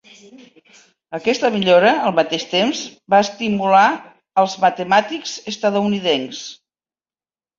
Aquesta millora, al mateix temps, va estimular als matemàtics estatunidencs.